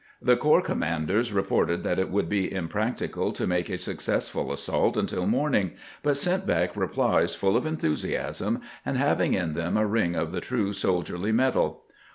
The corps command ers reported that it would be impracticable to make a successful assault until morning, but sent back replies full of enthusiasm, and having in them a ring of the true soldierly metal.